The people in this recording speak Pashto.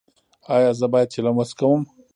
ایا زه باید چلم وڅکوم؟